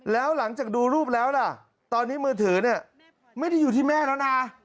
แล้วหลังจากดูรูปแล้วล่ะตอนนี้มือถือเนี่ยไม่ได้อยู่ที่แม่แล้วนะ